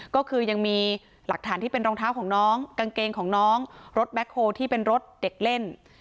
ก็คือยังมีหลักฐานที่เป็นรองเท้าของน้องกางเกงของน้องรถแบ็คโฮลที่เป็นรถเด็กเล่น